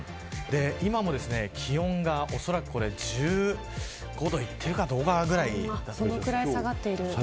今も気温がおそらく１５度いっているかどうかぐらい。